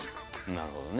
なるほどね。